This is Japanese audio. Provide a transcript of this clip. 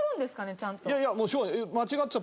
ちゃんと。